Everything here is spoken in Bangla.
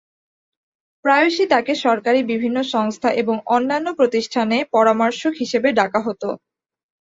প্রায়শই তাকে সরকারি বিভিন্ন সংস্থা এবং অন্যান্য প্রতিষ্ঠানে পরামর্শক হিসেবে ডাকা হতো।